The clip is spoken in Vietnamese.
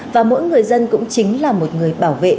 và mỗi người dân cũng chính là một người bảo vệ